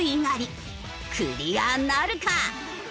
クリアなるか？